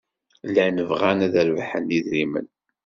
Llan bɣan ad d-rebḥen idrimen.